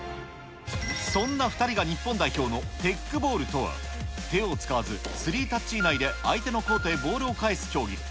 そんな２人が日本代表のテックボールとは、手を使わず、スリータッチ以内で、相手のコートへボールを返す競技。